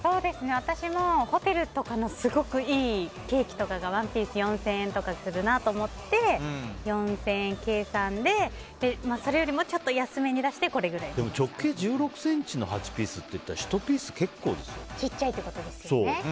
私もホテルとかのすごくいいケーキとかが１ピース４０００円とかするなと思って４０００円計算でそれよりもちょっと安めに出して直径１６ｃｍの８ピースなら小さいってことですよね。